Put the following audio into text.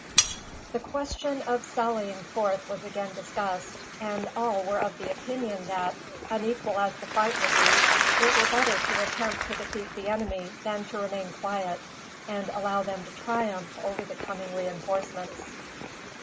The question of sallying forth was again discussed, and all were of opinion that, unequal as the fight would be, it were better to attempt to defeat the enemy than to remain quiet, and allow them to triumph over the coming reinforcements.